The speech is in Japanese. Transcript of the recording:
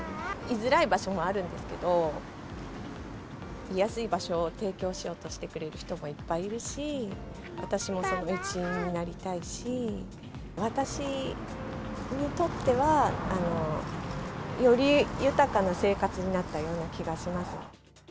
居づらい場所もあるんですけど、居やすい場所を提供しようとしてくれる人もいっぱいいるし、私もその一員になりたいし、私にとっては、より豊かな生活になったような気がします。